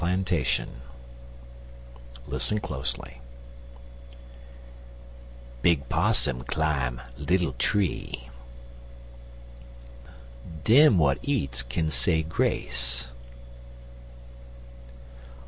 PLANTATION PROVERBS BIG 'possum clime little tree. Dem w'at eats kin say grace.